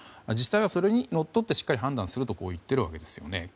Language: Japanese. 自治体はそれにのっとってしっかり判断すると言っているんですよね。